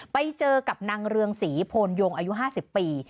ไปเจอกับนางเรืองศรีโพนยงอายุ๕๐ปี